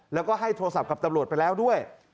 แล้วก็ให้โทรศัพท์กับตำรวจไปแล้วด้วย